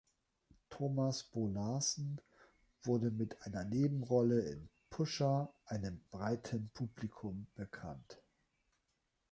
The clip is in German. Thomas Bo Larsen wurde mit einer Nebenrolle in Pusher einem breiten Publikum bekannt.